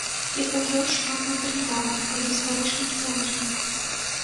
І ў ёй шмат матэрыялаў па гістарычным цэнтры.